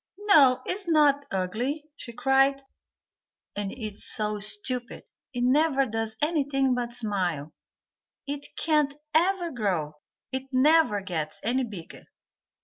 "No, it is not ugly," she cried. "And it's so stupid, it never does anything but smile, it can't even grow, it never gets any bigger."